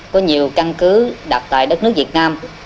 có nhiều căn cứ đặt tại đất nước việt nam